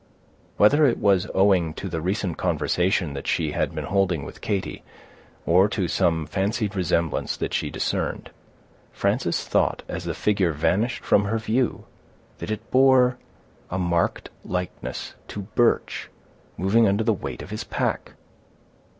Whether it was owing to the recent conversation that she had been holding with Katy, or to some fancied resemblance that she discerned, Frances thought, as the figure vanished from her view, that it bore a marked likeness to Birch, moving under the weight of his pack.